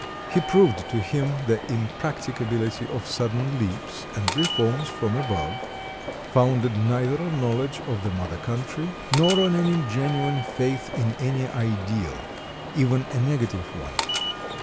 He proved to him the impracticability of sudden leaps and reforms from above, founded neither on knowledge of the mother country, nor on any genuine faith in any ideal, even a negative one.